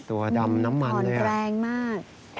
ตัวดำน้ำมันด้วยอ่ะมีทอนแกรงมาก